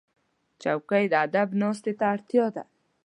چوکۍ د ادب ناستې ته اړتیا ده.